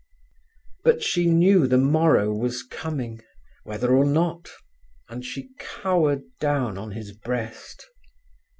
But she knew the morrow was coming, whether or not, and she cowered down on his breast.